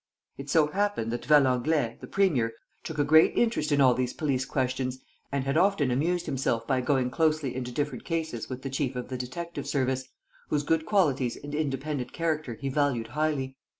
It so happened that Valenglay, the premier, took a great interest in all these police questions and had often amused himself by going closely into different cases with the chief of the detective service, whose good qualities and independent character he valued highly.